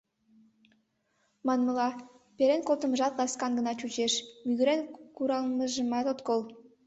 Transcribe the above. Манмыла, перен колтымыжат ласкан гына чучеш, мӱгырен куралмыжымат от кол.